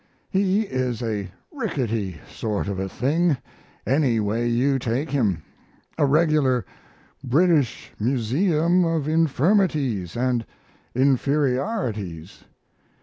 He is a rickety sort of a thing, anyway you take him, a regular British Museum of infirmities and inferiorities.